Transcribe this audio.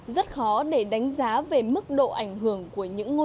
rất khó để đánh giá về mức độ ảnh hưởng của những người